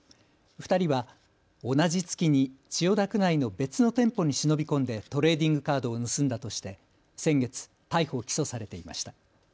２人は同じ月に千代田区内の別の店舗に忍び込んでトレーディングカードを盗んだとして先月、逮捕・起訴されていました。